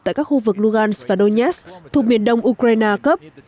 tại các khu vực luhansk và donetsk thuộc miền đông ukraine cấp